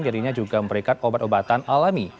dirinya juga memberikan obat obatan alami